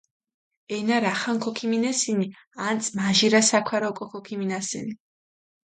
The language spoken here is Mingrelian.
ენა რახან ქოქიმინესჷნი, აწი მაჟირა საქვარი ოკო ქოქიმინასჷნი.